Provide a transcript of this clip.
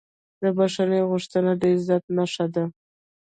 د بښنې غوښتنه د عزت نښه ده.